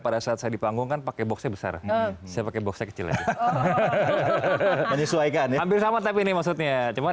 pada saat saya dipanggungkan pakai box besar saya pakai box kecilnya disuaikan ini maksudnya cuman